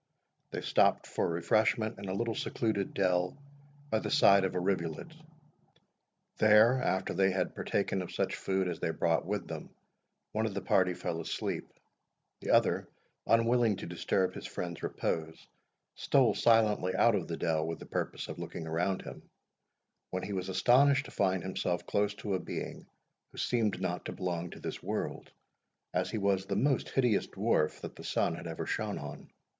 They stopped for refreshment in a little secluded dell by the side of a rivulet. There, after they had partaken of such food as they brought with them, one of the party fell asleep; the other, unwilling to disturb his friend's repose, stole silently out of the dell with the purpose of looking around him, when he was astonished to find himself close to a being who seemed not to belong to this world, as he was the most hideous dwarf that the sun had ever shone on.